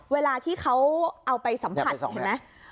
เวลาที่เขาเอาไปสัมผัสเห็นไหม